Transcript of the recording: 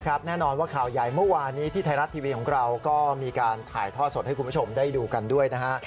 แน่นอนว่าข่าวใหญ่เมื่อวานนี้ที่ไทยรัฐทีวีของเราก็มีการถ่ายท่อสดให้คุณผู้ชมได้ดูกันด้วยนะฮะ